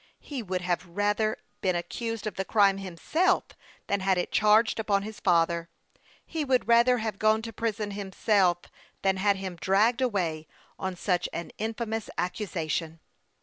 He would rather have been accused of the crime himself than had it charged upon his father ; he would rather have gone to prison himself than had him dragged away on such an infamous accusation.